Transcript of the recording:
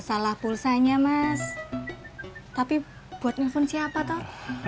masalah pulsanya mas tapi buat nelfon siapa toh